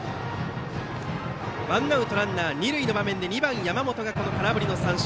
ワンアウトランナー、二塁の場面で２番の山本が空振り三振。